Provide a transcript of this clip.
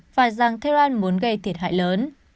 và rằng tehran muốn gây thiệt hại lớn